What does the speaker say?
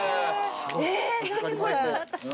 え何これ。